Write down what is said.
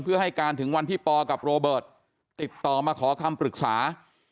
เพื่อให้การถึงวันที่ปอกับโรเบิร์ตติดต่อมาขอคำปรึกษา